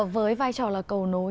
với vai trò là cầu nối